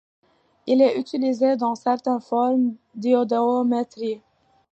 Il est utilisé dans certaines formes d'iodométrie.